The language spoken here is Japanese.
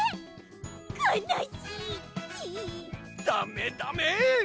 だめだめ！